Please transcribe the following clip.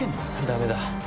ダメだ。